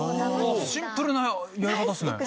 シンプルなやり方っすね。